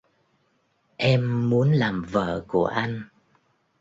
Em muốn làm vợ của anh